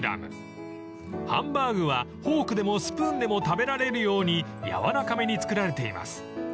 ［ハンバーグはフォークでもスプーンでも食べられるように軟らかめに作られています］